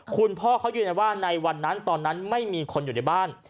คุณพ่อเขายืนยันว่าในวันนั้นตอนนั้นไม่มีคนอยู่ในบ้าน